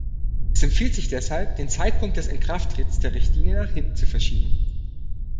Es empfiehlt sich deshalb, den Zeitpunkt des Inkrafttretens der Richtlinie nach hinten zu verschieben.